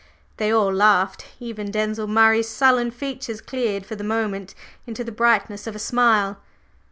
They all laughed, even Denzil Murray's sullen features cleared for the moment into the brightness of a smile.